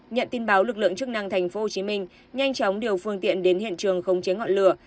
nhận tin báo lực lượng chức năng tp hcm nhanh chóng điều phương tiện đến hiện trường không chế ngọn lửa